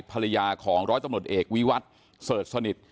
ภรรยาของร้อยตำรวจเอกวิวัตรเสิร์ชสนิท